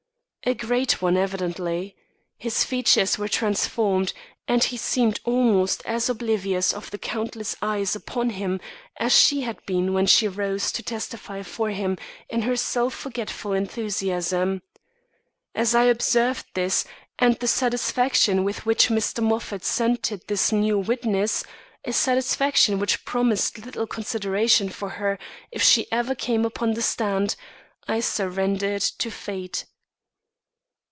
A great one, evidently. His features were transformed, and he seemed almost as oblivious of the countless eyes upon him as she had been when she rose to testify for him in her self forgetful enthusiasm. As I observed this and the satisfaction with which Mr. Moffat scented this new witness, a satisfaction which promised little consideration for her if she ever came upon the stand I surrendered to fate.